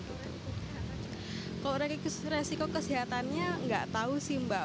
kalau ada resiko kesehatannya gak tahu sih mbak